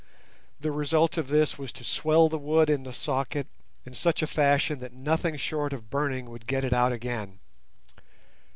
The result of this was to swell the wood in the socket in such a fashion that nothing short of burning would get it out again.